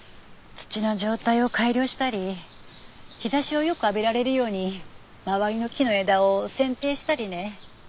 土の状態を改良したり日差しをよく浴びられるように周りの木の枝を剪定したりね。